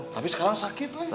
tapi sekarang sakit deh